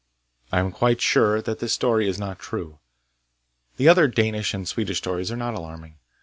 I am quite sure that this story is not true. The other Danish and Swedish stories are not alarming.